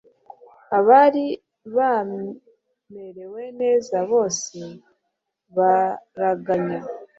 abari bamerewe neza bose baraganya.